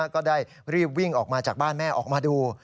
ก็ได้รีบวิ่งออกมาจากบ้านแม่ออกมาดู